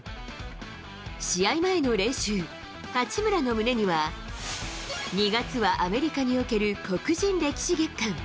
試合前の練習、八村の胸には、２月はアメリカにおける黒人歴史月間。